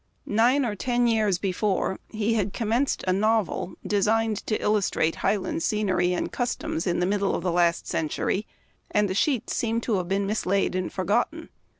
Nine or ten years before he had commenced a novel designed to illustrate Highland scenery and customs in the middle of the last century, and the sheets seem to have been mislaid and forgotten.